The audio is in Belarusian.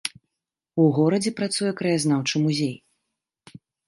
У горадзе працуе краязнаўчы музей.